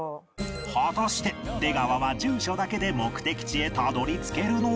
果たして出川は住所だけで目的地へたどり着けるのか？